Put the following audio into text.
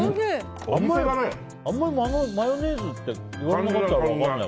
あんまりマヨネーズって言われなかったら分からない。